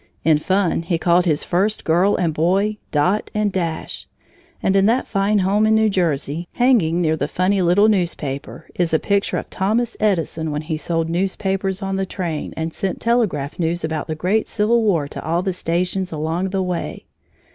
In fun, he called his first girl and boy "Dot" and "Dash." And in that fine home in New Jersey, hanging near the funny little newspaper, is a picture of Thomas Edison when he sold newspapers on the train and sent telegraph news about the great Civil War to all the stations along the way.